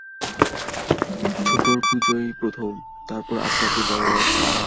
ছোটর পূজাই প্রথম, তারপর আপনা-আপনি বড় আসবে।